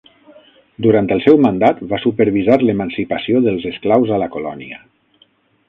Durant el seu mandat, va supervisar l'emancipació dels esclaus a la colònia.